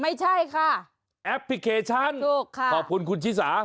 ไม่ใช่ค่ะแอปพลิเคชันถูกค่ะขอบคุณคุณชิสา